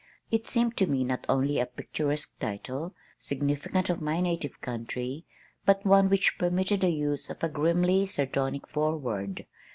It seemed to me not only a picturesque title, significant of my native country, but one which permitted the use of a grimly sardonic foreword.